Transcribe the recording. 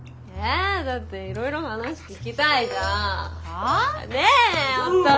えだっていろいろ話聞きたいじゃん。